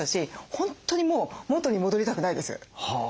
本当にもう元に戻りたくないです。